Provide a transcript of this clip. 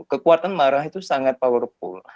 kekuatan marah itu sangat powerful